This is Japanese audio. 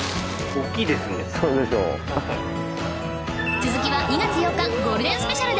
続きは２月８日ゴールデンスペシャルで